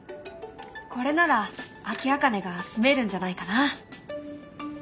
これならアキアカネがすめるんじゃないかな。